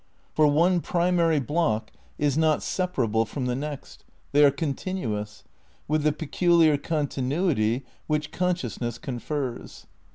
For one primary block is not separable from the next, they are continuous, with the peculiar continuity which con sciousness confers.